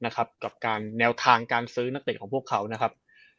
กับการแนวทางการซื้อนักเตะของพวกเขานะครับ